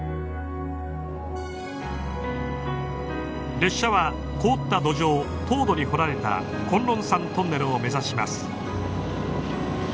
列車は凍った土壌凍土に掘られた崑崙山トンネルを目指します。